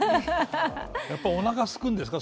やっぱおなかすくんですか？